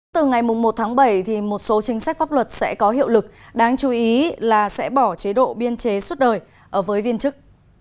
từ ngày một tháng bảy một số chính sách pháp luật sẽ có hiệu lực đáng chú ý là sẽ bỏ chế độ biên chế suốt đời với viên chức